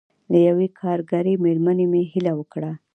له یوې کارګرې مېرمنې مې هیله وکړه.